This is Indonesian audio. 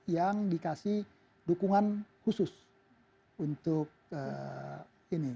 yang dikasih dukungan khusus untuk ini